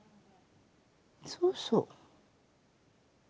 そうそう。